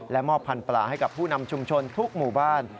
มอบพันธุปลาให้กับผู้นำชุมชนทุกหมู่บ้าน